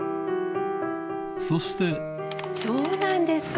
そしてそうなんですか！